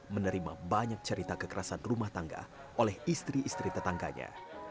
menerima banyak cerita kekerasan rumah tangga oleh istri istri tetangganya